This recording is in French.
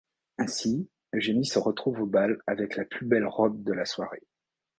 Ainsi, Eugénie se retrouve au bal avec la plus belle robe de la soirée.